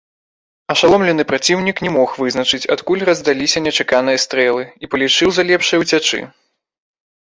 Ашаломлены праціўнік не мог вызначыць, адкуль раздаліся нечаканыя стрэлы і палічыў за лепшае ўцячы.